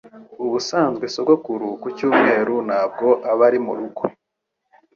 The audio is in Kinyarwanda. Ubusanzwe sogokuru ku cyumweru ntabwo aba ari murugo